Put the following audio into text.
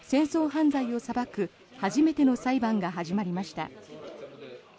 犯罪を裁く初めての裁判が始まりました。